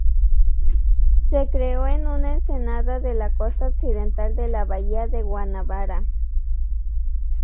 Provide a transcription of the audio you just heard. Se creó en una ensenada de la costa occidental de la bahía de Guanabara.